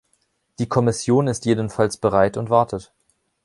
Die Kommission ist jedenfalls bereit und wartet.